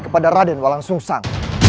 kepada raden walau susah